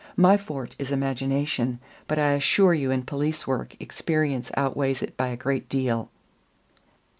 My forte is imagination, but I assure you in police work experience outweighs it by a great deal."